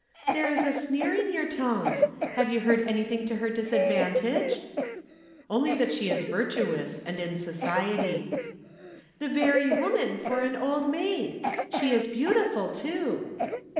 "There is a sneer in your tones. Have you heard anything to her disadvantage?" "Only that she is virtuous and in Society." "The very woman for an Old Maid! She is beautiful, too."